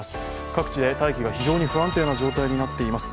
各地で大気が非常に不安定な状況になっています。